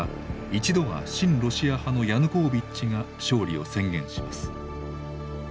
一度は親ロシア派のヤヌコービッチが勝利を宣言します。